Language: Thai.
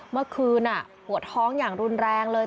เมื่อคืนปวดท้องอย่างรุนแรงเลย